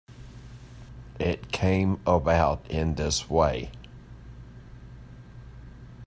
It came about in this way.